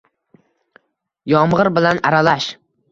Yomg’ir bilan aralash.